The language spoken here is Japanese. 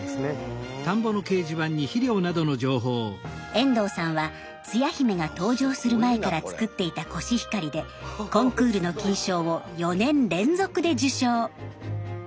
遠藤さんはつや姫が登場する前から作っていたコシヒカリでコンクールの金賞を４年連続で受賞。